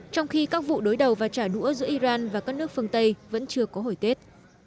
trong khi các vụ đối đầu và trả đũa giữa iran và các nước phương tây vẫn chưa có hồi kết